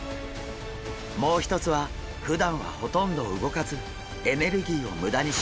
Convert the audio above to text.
もう一つはふだんはほとんど動かずエネルギーを無駄にしないこと。